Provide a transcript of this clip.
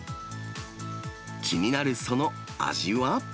気になるその味は？